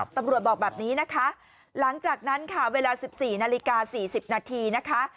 ตำรวจบอกแบบนี้นะคะหลังจากนั้นค่ะเวลา๑๔นาฬิกา๔๐นาทีนะคะ